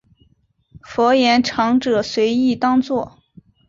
佛言长者随意当作。